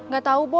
gak tau bos